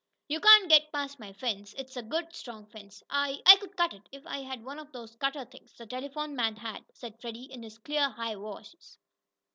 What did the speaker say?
"You can't get past my fence. It's a good strong fence." "I I could cut it, if I had one of those cutter things, the telephone man had," said Freddie, in his clear, high voice.